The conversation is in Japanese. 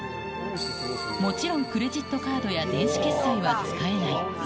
もちろん、クレジットカードや電子決済は使えない。